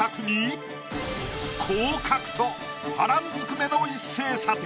波乱ずくめの一斉査定。